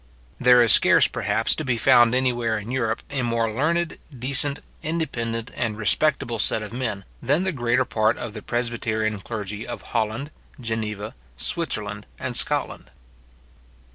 There is scarce, perhaps, to be found anywhere in Europe, a more learned, decent, independent, and respectable set of men, than the greater part of the presbyterian clergy of Holland, Geneva, Switzerland, and Scotland.